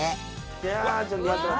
いやちょっと待って待って。